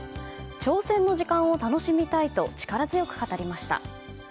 挑戦の時間を楽しみたいと力強く語りました。